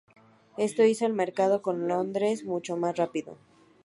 Esto hizo el mercado con Londres mucho más rápido.